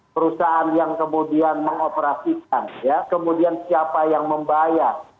perusahaan yang kemudian mengoperasikan ya kemudian siapa yang membayar